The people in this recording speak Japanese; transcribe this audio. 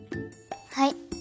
はい。